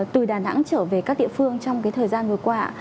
từ đà nẵng trở về các địa phương trong thời gian vừa qua